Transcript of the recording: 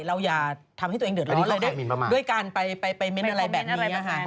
เราอย่าทำให้ตัวเองเดิดล้อด้วยการไปเม้นอะไรแบบนี้